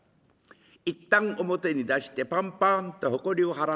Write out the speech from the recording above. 一旦表に出してパンパンってほこりを払って中へ。